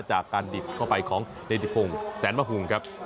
จากการดิบเข้าไปของเดทิพงแสนมะหุงครับ